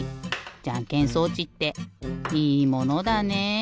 じゃんけん装置っていいものだねえ。